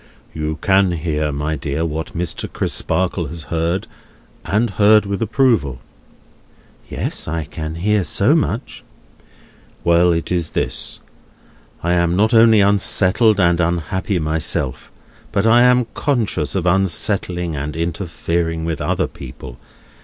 "You can hear, my dear, what Mr. Crisparkle has heard, and heard with approval." "Yes; I can hear so much." "Well, it is this. I am not only unsettled and unhappy myself, but I am conscious of unsettling and interfering with other people.